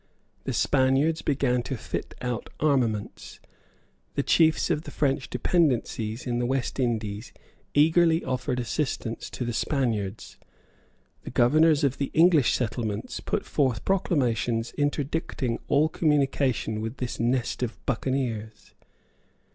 The Spaniards began to fit out armaments. The chiefs of the French dependencies in the West Indies eagerly offered assistance to the Spaniards. The governors of the English settlements put forth proclamations interdicting all communication with this nest of buccaneers.